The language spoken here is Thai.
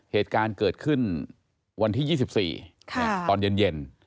เหตุการณ์เกิดขึ้นวันที่๒๔ตอนเย็น